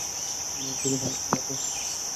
আপনি রসিকতা করছেন নাতো?